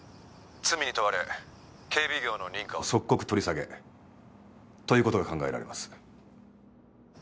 罪に問われ警備業の認可を即刻取り下げという事が考えられます。